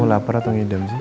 kamu lapar atau ngidam sih